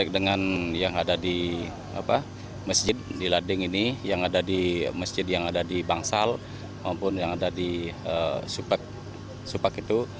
baik dengan yang ada di masjid di lading ini yang ada di masjid yang ada di bangsal maupun yang ada di supak itu